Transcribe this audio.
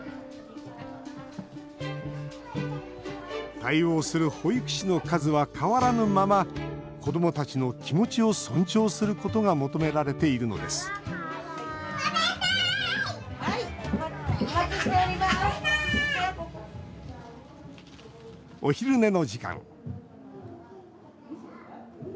対応する保育士の数は変わらぬまま子どもたちの気持ちを尊重することが求められているのですお昼寝の時間。